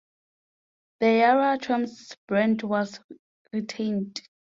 The Yarra Trams brand was retained.